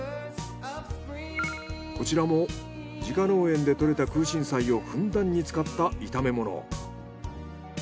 こちらも自家農園で採れた空心菜をふんだんに使った炒め物。